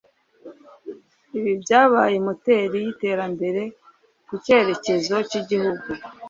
Ibi byabaye moteri y'iterambere ku cyerekezo cy'igihugu